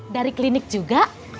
dari klinik juga